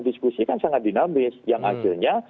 diskusi kan sangat dinamis yang akhirnya